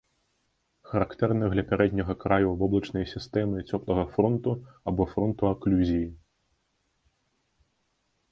Характэрны для пярэдняга краю воблачнай сістэмы цёплага фронту або фронту аклюзіі.